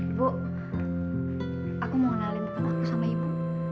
ibu aku mau kenalin dengan aku sama ibu